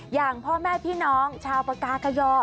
อย่างพ่อแม่พี่น้องชาวปากากยอ